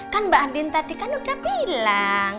kan mbak andin tadi kan udah bilang